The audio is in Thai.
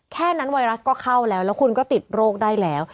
แค่นั้นไวรัสก็เข้าแล้วแล้วคุณก็ติดโรคได้แล้ว